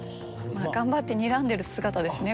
頑張ってにらんでる姿ですね